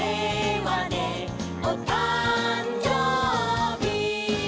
「おたんじょうび」